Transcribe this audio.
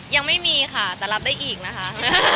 ยังไม่มีค่ะแต่รับได้อีกนะคะ